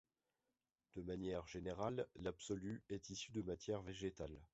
De manière générale, l'absolue est issue de matière végétale.